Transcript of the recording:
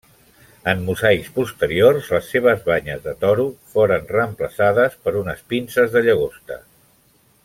En mosaics posteriors, les seves banyes de toro foren reemplaçades per unes pinces de llagosta.